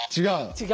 違う。